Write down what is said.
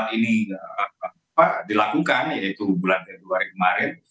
dua ribu dua puluh empat ini dilakukan yaitu bulan februari kemarin